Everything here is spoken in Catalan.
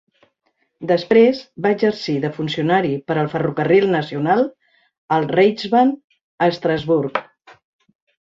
Després, va exercir de funcionari per al ferrocarril nacional, el Reichsbahn, a Estrasburg.